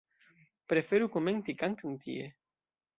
Preferu komenti kantojn tie.